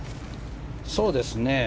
そうですね。